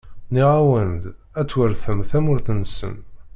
Nniɣ-awen-d: Ad tweṛtem tamurt-nsen.